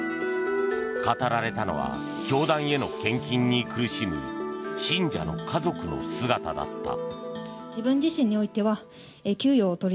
語られたのは教団への献金に苦しむ信者の家族の姿だった。